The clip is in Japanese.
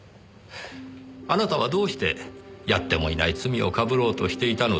あなたはどうしてやってもいない罪を被ろうとしていたのでしょう？